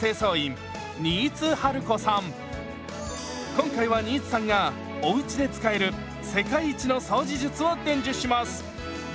今回は新津さんがおうちで使える世界一の掃除術を伝授します！